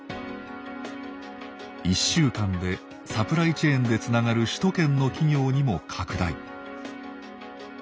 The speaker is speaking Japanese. １週間でサプライチェーンでつながる首都圏の企業にも拡大。